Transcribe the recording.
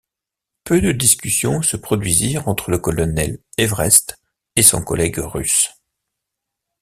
Peu de discussions se produisirent entre le colonel Everest et son collègue russe.